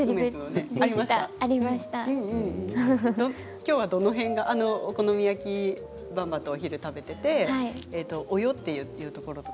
今日はどの辺がお好み焼きばんばとお昼を食べていておよと言うところとか。